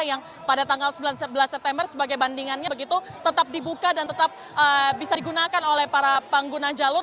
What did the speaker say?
yang pada tanggal sembilan sebelas september sebagai bandingannya begitu tetap dibuka dan tetap bisa digunakan oleh para pengguna jalur